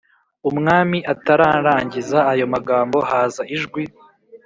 Umwami atararangiza ayo magambo haza ijwi